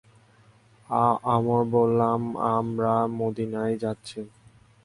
আমর বললাম, আমরা মদীনায়ই যাচ্ছি।